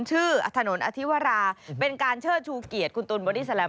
ถนนอธิวราเป็นการเชิดชูเกียรติคุณตูนบอดี้แลม